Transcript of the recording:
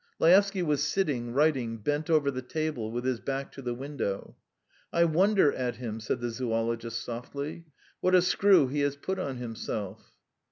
Laevsky was sitting, writing, bent over the table, with his back to the window. "I wonder at him!" said the zoologist softly. "What a screw he has put on himself!"